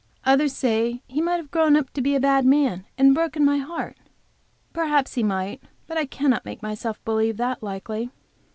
Others say he might have grown up to be a bad man and broken my heart. Perhaps he might, but I cannot make myself believe that likely.